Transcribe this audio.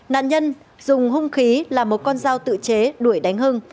nạn nhân dùng hung khí là một con dao tự chế đuổi đánh hưng